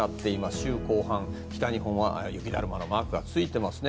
週後半、北日本は雪だるまのマークがついてますね。